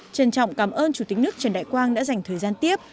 trân trọng cảm ơn chủ tịch nước trần đại quang đã dành thời gian tiếp